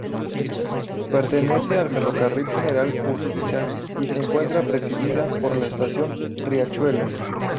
Pertenece al Ferrocarril General Urquiza y se encuentra precedida por la Estación Riachuelo.